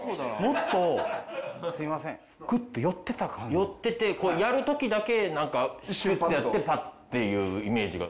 寄っててやる時だけなんかシュッてやってパッていうイメージが。